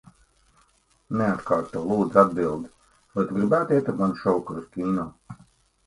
Neatkārto, lūdzu, atbildi. Vai tu gribētu iet ar mani šovakar uz kino?